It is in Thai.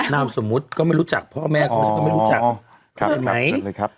เพราะว่าแม่เขาไม่รู้จัก